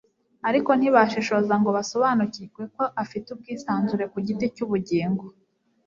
Ariko ntibashishoza ngo basobanukirwe ko afite ubwisanzure ku giti cy'ubugingo